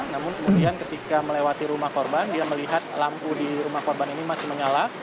namun kemudian ketika melewati rumah korban dia melihat lampu di rumah korban ini masih menyala